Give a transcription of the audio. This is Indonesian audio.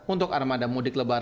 untuk armada mudik lebaran